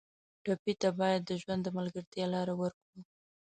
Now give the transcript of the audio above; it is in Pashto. ټپي ته باید د ژوند د ملګرتیا لاره ورکړو.